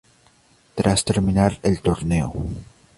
Tras terminar el torneo.